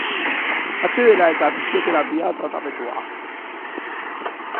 Atsedena eta fisioterapia tratamendua.